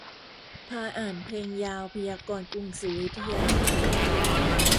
พาอ่านเพลงยาวพยากรณ์กรุงศรีอยุธยา